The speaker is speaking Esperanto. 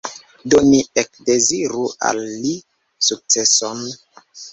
Do ni ekdeziru al li sukceson".